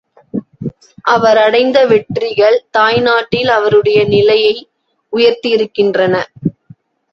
அவரடைந்த வெற்றிகள் தாய்நாட்டில், அவருடைய நிலையை உயர்த்தியிருக்கின்றன.